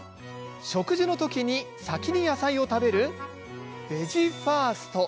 食事の時に先に野菜を食べるベジファースト。